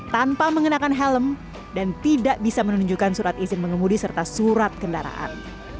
tanpa mengenakan helm dan tidak bisa menunjukkan surat izin mengemudi serta surat kendaraan